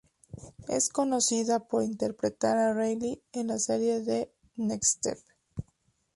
Es conocida por interpretar a Riley en la serie The Next Step.